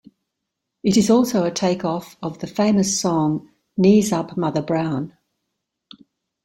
It is also a take off of the famous song "Knees Up Mother Brown".